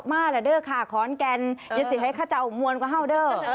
มาละเด้อค่ะขอนแก่นอย่าสิให้ข้าเจ้ามวลกว่าเฮาวเดอร์